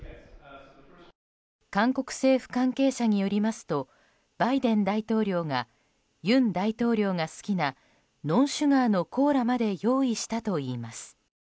韓国政府関係者によりますとバイデン大統領が尹大統領が好きなノンシュガーのコーラまで用意したといいます。